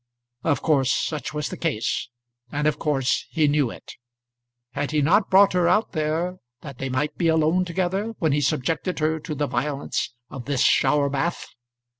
Of course such was the case, and of course he knew it. Had he not brought her out there, that they might be alone together when he subjected her to the violence of this shower bath?